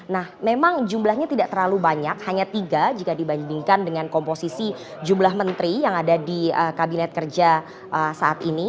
nah memang jumlahnya tidak terlalu banyak hanya tiga jika dibandingkan dengan komposisi jumlah menteri yang ada di kabinet kerja saat ini